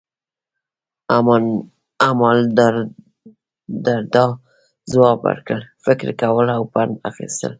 امالدرداء ځواب ورکړ، فکر کول او پند اخیستل.